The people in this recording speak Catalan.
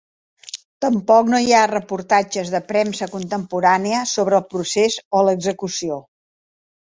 Tampoc no hi ha reportatges de premsa contemporània sobre el procés o l'execució.